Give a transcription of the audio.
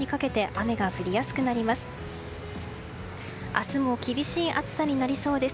明日も厳しい暑さになりそうです。